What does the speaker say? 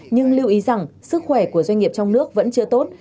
nhưng lưu ý rằng sức khỏe của doanh nghiệp trong nước vẫn chưa tốt